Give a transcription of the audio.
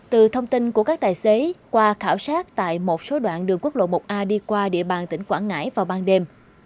từ thông tin của các tài xế qua khảo sát tại một số đoạn đường quốc lộ một a đi qua địa bàn tỉnh quảng ngãi vào ban đêm